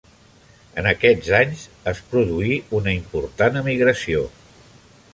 En aquests anys es produí una important emigració.